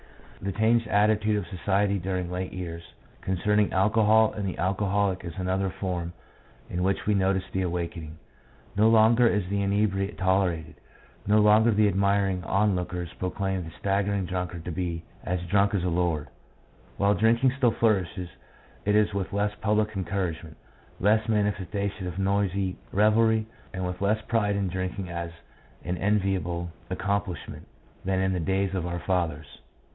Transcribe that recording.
The changed attitude of society during late years, concerning alcohol and the alcoholic, is another form in which we notice the awakening. No longer is the inebriate tolerated ; no longer the admiring onlookers proclaim the staggering drunkard to be "as drunk as a lord." While drinking still flourishes, it is with less public encouragement, less manifestation of noisy revelry, and with less pride in drinking as an enviable accomplishment than in the days of our fathers.